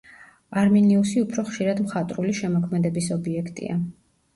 არმინიუსი უფრო ხშირად მხატვრული შემოქმედების ობიექტია.